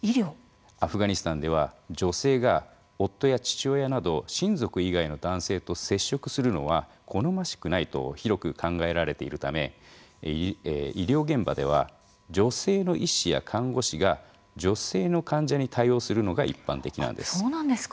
アフガニスタンでは女性が夫や父親など親族以外の男性と接触するのは好ましくないと広く考えられているため医療現場では女性の医師や看護師が女性の患者に対応するのが一般的なんです。